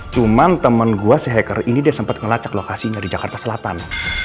cuma temen gue si hacker ini dia sempat ngelacak lokasinya di jakarta selatan